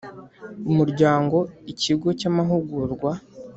umuryango ikigo cy amahugurwa